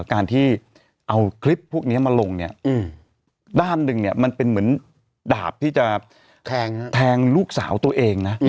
การที่เอาคลิปพวกนี้มาลงเนี่ยด้านหนึ่งเนี่ยมันเป็นเหมือนดาบที่จะแทงลูกสาวตัวเองนะ